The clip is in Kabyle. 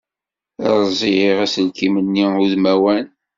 Rẓiɣ aselkim-nni udmawan.